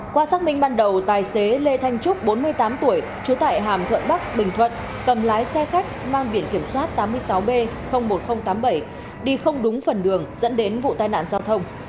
qua xác minh ban đầu tài xế lê thanh trúc bốn mươi tám tuổi trú tại hàm thuận bắc bình thuận cầm lái xe khách mang biển kiểm soát tám mươi sáu b một nghìn tám mươi bảy đi không đúng phần đường dẫn đến vụ tai nạn giao thông